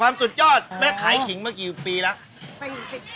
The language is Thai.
แม่ขายขิงเมื่อกี่ปีแล้ว